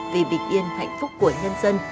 vì bị yên hạnh phúc của nhân dân